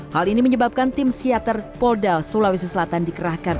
hal ini menyebabkan tim seater poldau sulawesi selatan dikerahkan